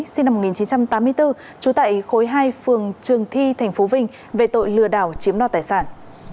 sinh năm một nghìn chín trăm tám mươi bốn trú tại khối hai phường trường thi thành phố vinh về tội lừa đảo chiếm đo tài sản